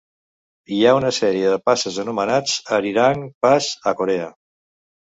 Hi ha una sèrie de passes anomenats "Arirang Pass" a Corea.